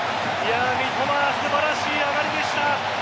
三笘、素晴らしい上がりでした。